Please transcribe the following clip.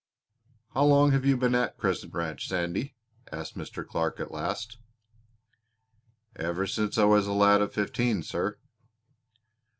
"How long have you been at Crescent Ranch, Sandy?" asked Mr. Clark at last. "Ever since I was a lad of fifteen, sir."